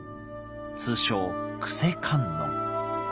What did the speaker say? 通称救世観音。